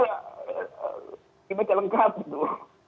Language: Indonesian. ini masih lengkap itu